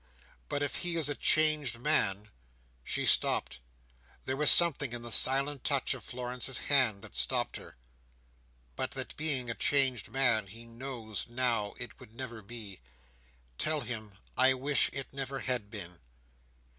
But if he is a changed man— " She stopped. There was something in the silent touch of Florence's hand that stopped her. "—But that being a changed man, he knows, now, it would never be. Tell him I wish it never had been."